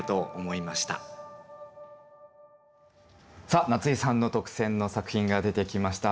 さあ夏井さんの特選の作品が出てきました。